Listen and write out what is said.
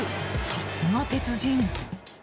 さすが鉄人。